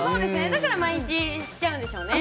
だから毎日しちゃうんでしょうね。